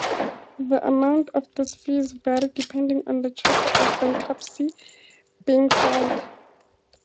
The amounts of these fees vary depending on the Chapter of bankruptcy being filed.